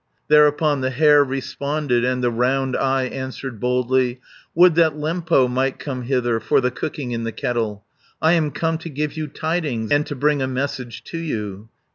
420 Thereupon the hare responded, And the Round eye answered boldly, "Would that Lempo might come hither For the cooking in the kettle! I am come to give you tidings, And to bring a message to you.